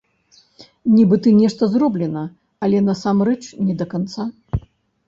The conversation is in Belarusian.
Нібыта нешта зроблена, але насамрэч не да канца.